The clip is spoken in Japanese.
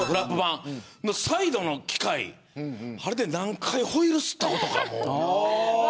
あのサイドの機械で何回ホイールすったことか。